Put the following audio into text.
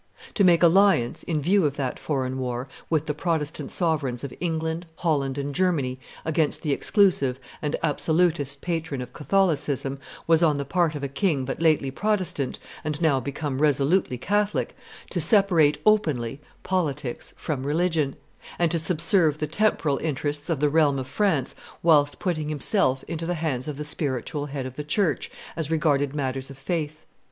To make alliance, in view of that foreign war, with the Protestant sovereigns of England, Holland, and Germany, against the exclusive and absolutist patron of Catholicism, was on the part of a king but lately Protestant, and now become resolutely Catholic, to separate openly politics from religion, and to subserve the temporal interests of the realm of France whilst putting himself into the hands of the spiritual head of the church as regarded matters of faith.